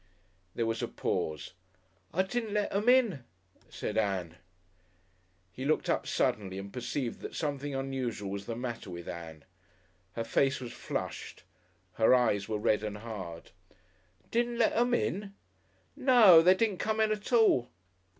There was a pause. "I didn't let 'em in," said Ann. He looked up suddenly and perceived that something unusual was the matter with Ann. Her face was flushed, her eyes were red and hard. "Didn't let 'em in?" "No! They didn't come in at all."